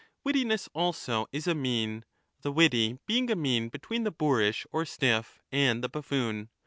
Wittiness also is a mean, the witty being a mean between the boorish or stiff 5 and the buffoon.